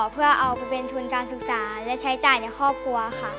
เพื่อเอาไปเป็นทุนการศึกษาและใช้จ่ายในครอบครัวค่ะ